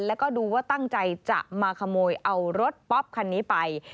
แล้วก็ดูว่าตั้งใจจะมาขโมยเอารถป๊อปคันนี้ไป